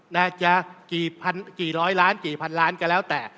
น่าจะกี่ร้อยล้านกี่พันล้านก็แล้วแต่